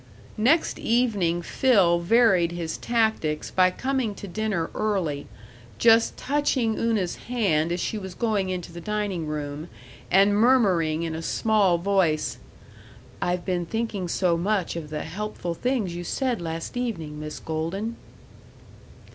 Next evening Phil varied his tactics by coming to dinner early, just touching Una's hand as she was going into the dining room, and murmuring in a small voice, "I've been thinking so much of the helpful things you said last evening, Miss Golden."